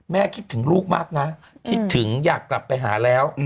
คิดถึงลูกมากนะคิดถึงอยากกลับไปหาแล้ว